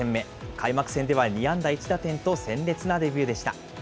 開幕戦では２安打１打点と、鮮烈なデビューでした。